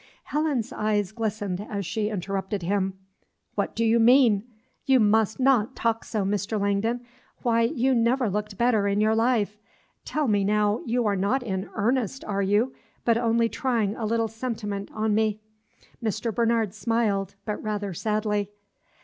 Helen's eyes glistened as she interrupted him, "What do you mean? You must not talk so, Mr. Langdon. Why, you never looked better in your life. Tell me now, you are not in earnest, are you, but only trying a little sentiment on me?" Mr. Bernard smiled, but rather sadly.